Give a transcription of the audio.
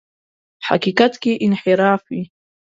حقیقت کې انحراف وي.